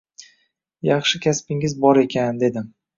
Yaxshi kasbingiz bor ekan, dedim